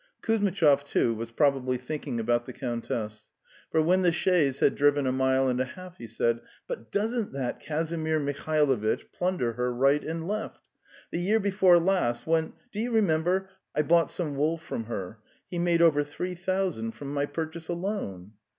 Kuzmitchoy, too, was probably thinking about the countess. For when the chaise had driven a mile and a half he said: 'But doesn't that Kazimir Mihalovitch plunder her right and left! The year before last when, do you remember, I bought some wool from her, he made over three thousand from my purchase alone."